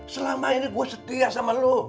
selama ini gue setia sama lo